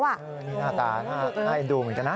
นี่หน้าตาให้ดูเหมือนกันนะ